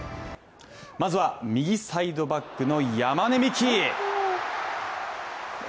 まずは右サイドバックの山根視来。